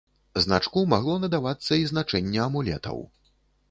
Значку магло надавацца і значэнне амулетаў.